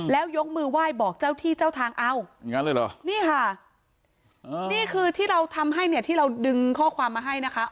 แล้วยกมือไหว้บอกเจ้าที่เจ้าทางเอาอย่างงั้นเลยเหรอนี่ค่ะนี่คือที่เราทำให้เนี่ยที่เราดึงข้อความมาให้นะคะ